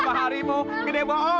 apa hari mu gede bohong